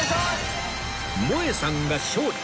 もえさんが勝利